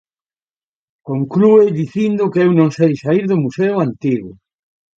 Conclúe dicindo que ""Eu non sei saír do Museo antigo...